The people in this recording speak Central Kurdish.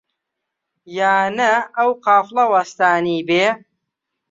یا نە ئەو قافڵە وەستانی بێ؟